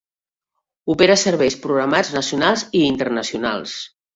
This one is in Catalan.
Opera serveis programats nacionals i internacionals.